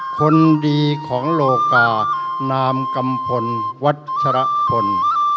คนดีของโลกานามกัมพลวัชรพล